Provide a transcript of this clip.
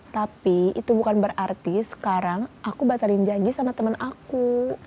tapi itu bukan berarti sekarang aku batalin janji sama teman aku